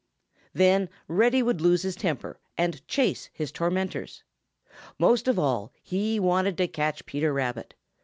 Then Reddy would lose his temper and chase his tormentors. Most of all, he wanted to catch Peter Rabbit.